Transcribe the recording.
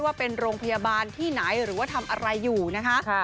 ว่าเป็นโรงพยาบาลที่ไหนหรือว่าทำอะไรอยู่นะคะ